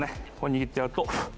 握ってやると。